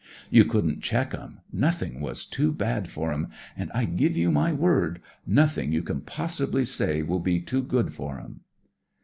You couldn't check 'em; nothing was too bad for 'em ; and, I give you my word, nothing you can possibly say will be too good for 'em."